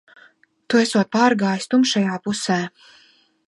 Tu esot pārgājis tumšajā pusē.